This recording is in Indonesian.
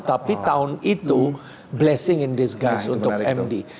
tapi tahun itu blessing in disguise untuk md